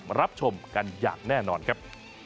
รับชมกันอย่างแน่นอนครับ